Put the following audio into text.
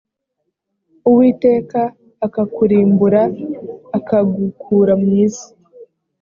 uwiteka akakurimbura akagukura mu isi